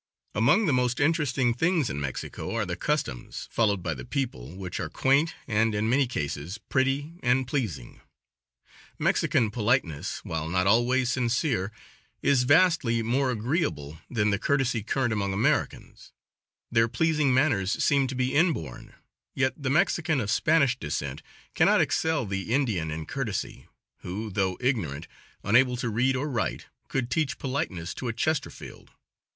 Among the most interesting things in Mexico are the customs followed by the people, which are quaint, and, in many cases, pretty and pleasing. Mexican politeness, while not always sincere, is vastly more agreeable than the courtesy current among Americans. Their pleasing manners seem to be inborn, yet the Mexican of Spanish descent cannot excel the Indian in courtesy, who, though ignorant, unable to read or write, could teach politeness to a Chesterfield.